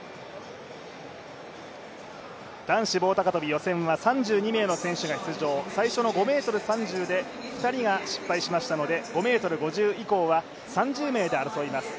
予選は３２名の選手が出場最初の５ｍ３０で２人が失敗しましたので５ｍ５０以降は３０名で争います。